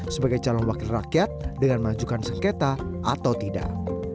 sebagai calon wakil rakyat dengan mengajukan sengketa atau tidak